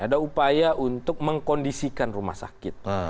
ada upaya untuk mengkondisikan rumah sakit